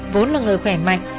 vốn là người khỏe mạnh